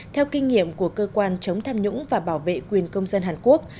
theo kinh nghiệm của cơ quan chống tham nhũng và bảo vệ quyền công dân hàn quốc